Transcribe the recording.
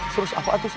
sur apaan itu sur